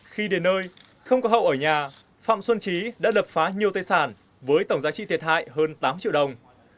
khi đến nơi không có hậu ở nhà phạm xuân trí đã lập phá nhiều tài sản với tổng giá trị thiệt hại hơn tám triệu đồng